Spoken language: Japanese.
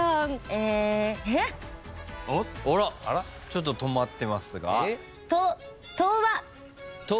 ちょっと止まってますが。